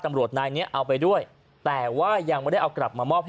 ตำรวจนายนี้เอาไปด้วยแต่ว่ายังไม่ได้เอากลับมามอบให้